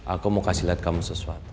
aku mau kasih lihat kamu sesuatu